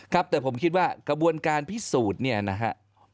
ครับแต่ผมคิดว่ากระบวนการพิสูจน์เนี่ยนะฮะ